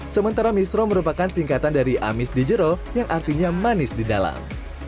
sementara misro merupakan singkatan dari amis di jero yang artinya manis di dalam